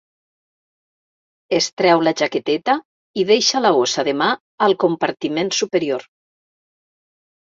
Es treu la jaqueteta i deixa la bossa de mà al compartiment superior.